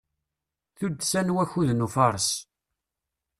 Tuddsa n wakud n ufares.